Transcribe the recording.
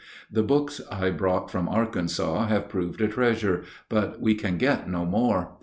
The books I brought from Arkansas have proved a treasure, but we can get no more.